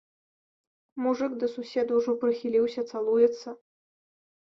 Мужык да суседа ўжо прыхіліўся, цалуецца.